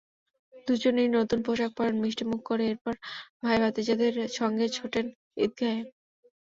দুজনেই নতুন পোশাক পরে মিষ্টিমুখ করে এরপর ভাই-ভাতিজাদের সঙ্গে ছোটেন ঈদগাহে।